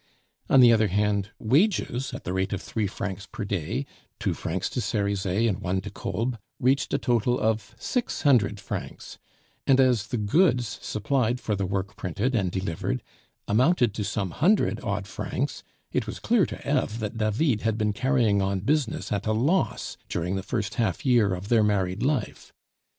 On the other hand, wages at the rate of three francs per day two francs to Cerizet, and one to Kolb reached a total of six hundred francs; and as the goods supplied for the work printed and delivered amounted to some hundred odd francs, it was clear to Eve that David had been carrying on business at a loss during the first half year of their married life.